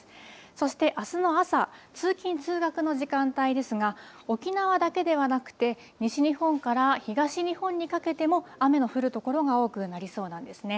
そしてあすの朝通勤通学の時間帯ですが沖縄だけではなくて西日本から東日本にかけても雨の降る所が多くなりそうなんですね。